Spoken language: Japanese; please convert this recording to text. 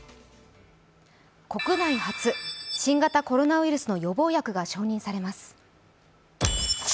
国内初、新型コロナウイルスの予防薬が承認されます。